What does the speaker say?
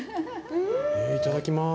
いただきます。